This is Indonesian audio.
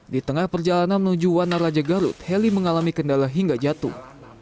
di tengah perjalanan menuju wana raja garut heli mengalami kendala hingga jatuh